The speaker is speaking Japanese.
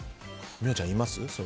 美桜ちゃん、います？